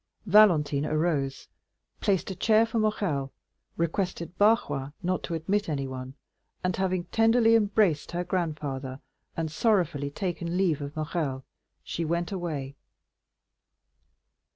Valentine arose, placed a chair for Morrel, requested Barrois not to admit anyone, and having tenderly embraced her grandfather, and sorrowfully taken leave of Morrel, she went away.